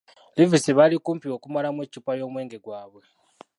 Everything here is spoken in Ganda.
Livesey bali kumpi okumalamu eccupa y'omwenge gwabwe.